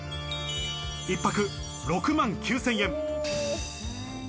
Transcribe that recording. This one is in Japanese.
一泊６万９０００円。